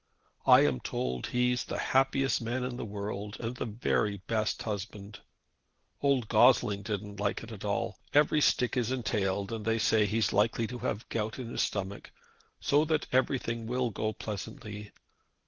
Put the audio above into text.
I am told he's the happiest man in the world, and the very best husband. Old Gossling didn't like it at all, but every stick is entailed, and they say he's likely to have gout in his stomach, so that everything will go pleasantly.